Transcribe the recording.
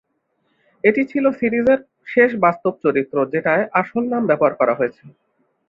এটি ছিল সিরিজের শেষ বাস্তব চরিত্র যেটায় আসল নাম ব্যবহার করা হয়েছে।